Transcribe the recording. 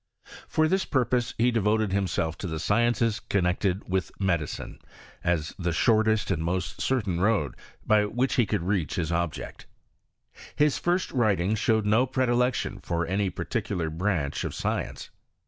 For this purpose he devoted himself to the sciences connected with me dicine, as the shortest and most certain road by which he could reach his object. His first writings showed no predilection for any particular branch of science.